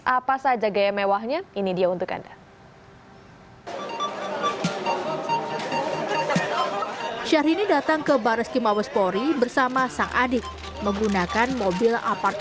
apa saja gaya mewahnya ini dia untuk anda